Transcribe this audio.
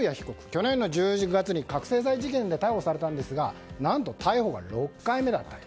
去年の１０月に覚醒剤事件で逮捕されたんですが何と、逮捕が６回目だったと。